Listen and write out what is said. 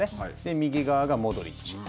右側がモドリッチ。